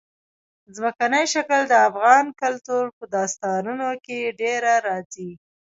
ځمکنی شکل د افغان کلتور په داستانونو کې ډېره راځي.